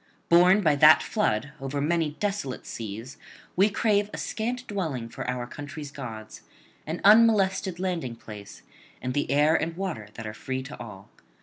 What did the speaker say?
Borne by that flood over many desolate seas, we crave a scant dwelling [229 261]for our country's gods, an unmolested landing place, and the air and water that are free to all.